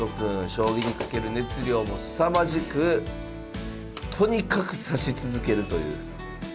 将棋にかける熱量もすさまじくとにかく指し続けるという。